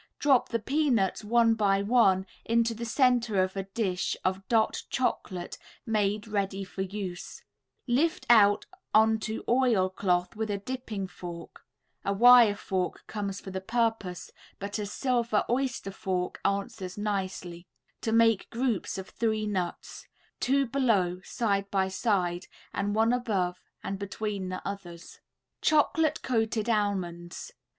Drop the peanuts, one by one, into the center of a dish of "Dot" Chocolate made ready for use; lift out onto oil cloth with a dipping fork (a wire fork comes for the purpose, but a silver oyster fork answers nicely) to make groups of three nuts, two below, side by side, and one above and between the others. CHOCOLATE COATED ALMONDS [Illustration: CHOCOLATE COATED ALMONDS.